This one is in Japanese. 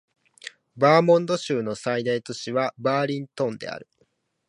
バーモント州の最大都市はバーリントンである